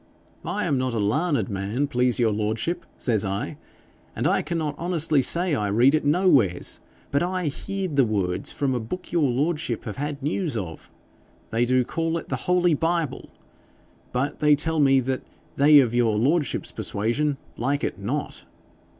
"I am not a larned man, please your lordship," says I, "and I cannot honestly say I read it nowheres, but I heerd the words from a book your lordship have had news of: they do call it the Holy Bible. But they tell me that they of your lordship's persuasion like it not."